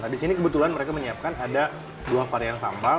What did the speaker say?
di sini kebetulan mereka menyiapkan ada dua varian sambal